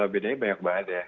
bedanya banyak banget ya